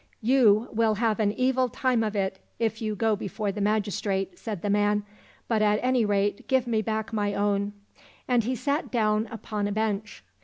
—" You will have an evil time of it if you go before the magistrate," said the man ;" but at any rate, give me back my own." And he sat down upon a bench.